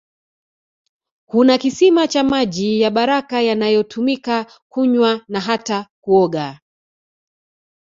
Kuna kisima cha maji ya baraka yanayotumika kunywa na hata kuoga